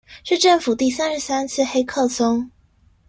是政府第三十三次黑客松